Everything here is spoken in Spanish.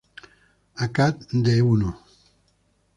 Acad de l'.